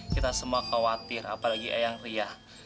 kita semua khawatir apalagi eang ria